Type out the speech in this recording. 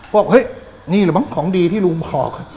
บอกเฮ้ยนี่หรือเปล่าของดีที่รุมพอก